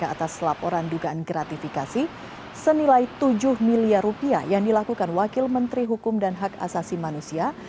atas laporan dugaan gratifikasi senilai tujuh miliar rupiah yang dilakukan wakil menteri hukum dan hak asasi manusia